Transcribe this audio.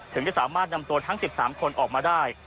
ถึงจะสามารถนำตัวทั้ง๑๓คนออกมาได้